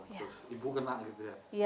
ibu kena gitu ya